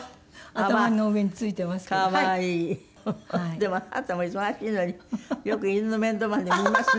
でもあなたも忙しいのによく犬の面倒まで見ますね。